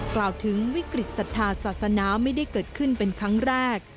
กล่าวถึงวิกฤตศรัทธาศาสนาไม่ได้เกิดขึ้นเป็นครั้งแรก